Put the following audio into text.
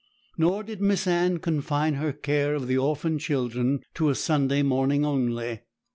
Nor did Miss Anne confine her care of the orphan children to a Sunday morning only.